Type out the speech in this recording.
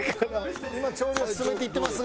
今調理を進めていってますが。